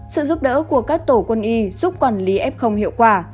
sự giúp đỡ của các tổ quân y giúp quản lý f hiệu quả